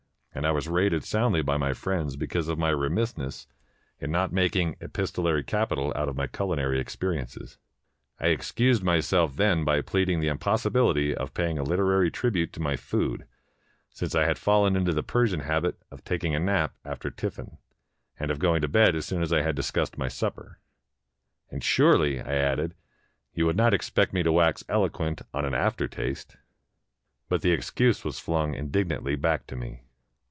and I was rated soundly by my friends because of my remissness in not mak ing epistolary capital out of my cuHnary experiences. I excused myself then by pleading the impossibility of pajdng a Uterary tribute to my food, since I had fallen into the Persian habit of taking a nap after tiffin, and of going to bed as soon as I had discussed my supper; " and surely," I added, "you would not expect me to wax eloquent on an aftertaste?" But the excuse was flung indignantly back to me.